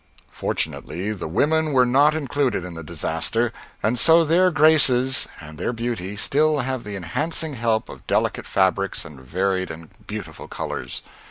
Fortunately the women were not included in the disaster, and so their graces and their beauty still have the enhancing help of delicate fabrics and varied and beautiful colors.